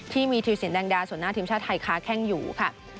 ที่มีธุรสินแดงดาส่วนหน้าทีมชาติไทยค้าแข้งอยู่ค่ะ